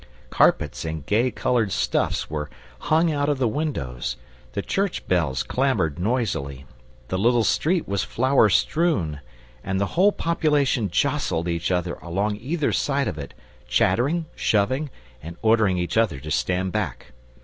Carpets and gay coloured stuffs were hung out of the windows, the church bells clamoured noisily, the little street was flower strewn, and the whole population jostled each other along either side of it, chattering, shoving, and ordering each other to stand back.